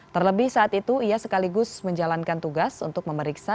terlebih saat itu ia sekaligus menjalankan tugas untuk memeriksa